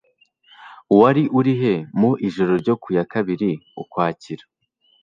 Wari urihe mu ijoro ryo ku ya kabiri Ukwakira